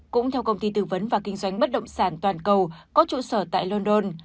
cũng theo công ty tư vấn và kinh doanh bất động sản toàn cầu có trụ sở tại london